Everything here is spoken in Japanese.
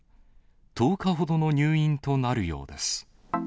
１０日ほどの入院となるようです。